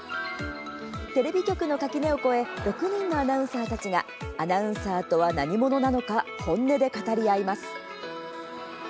テレビ局の垣根を越え６人のアナウンサーたちがアナウンサーとは何者なのか本音で語り合います。